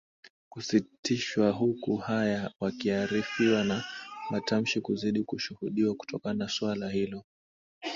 kusitishwa huku haya wakiarifiwa na matamshi kuzidi kushuhudiwa kutokana suala hilo